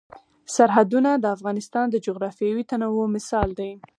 سرحدونه د افغانستان د جغرافیوي تنوع مثال دی.